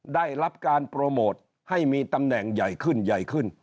ได้รับการโปรโมทให้มีตำแหน่งใหญ่ขึ้นใหญ่ขึ้น